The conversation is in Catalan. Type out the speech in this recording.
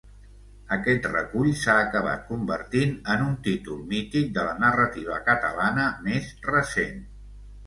Aquest recull s'ha acabat convertint en un títol mític de la narrativa catalana més recent.